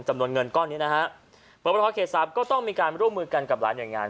จำนวนเงินก้อนนี้นะฮะประวัติภาพเขตทรัพย์ก็ต้องมีการร่วมมือกันกับร้านเหนืองาน